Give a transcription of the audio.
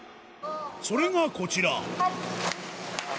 それがこちら。